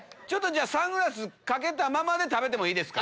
サングラス掛けたままで食べてもいいですか？